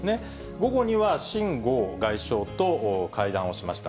午後には秦剛外相と会談をしました。